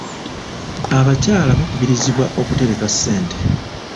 Abakyala bakubirizibwa okutereka ssente.